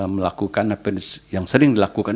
melakukan apa yang sering dilakukan